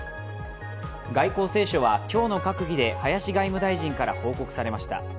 外交青書は今日の閣議で林外務大臣から報告されました。